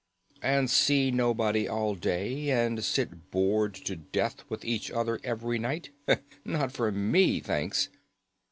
"And see nobody all day, and sit bored to death with each other every night. Not for me thanks.